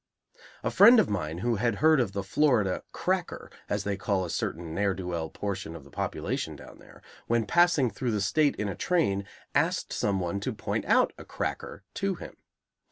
A friend of mine who had heard of the Florida "cracker," as they call a certain ne'er do weel portion of the population down there, when passing through the State in a train, asked some one to point out a "cracker" to him.